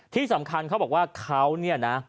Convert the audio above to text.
ที่สำคัญเขาบอกว่าเขาเนี่ยนะ